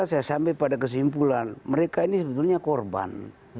saya sampai pada kesimpulan mereka ini sebetulnya korban